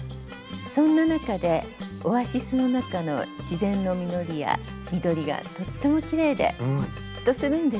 そんな中でオアシスの中の自然の実りや緑がとってもきれいでほっとするんですね。